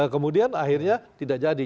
kemudian akhirnya tidak jadi